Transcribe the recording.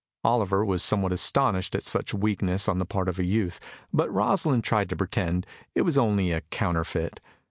Oliver was somewhat astonished at such weakness on the part of a youth, but Rosalind tried to pretend it was only a counterfeit.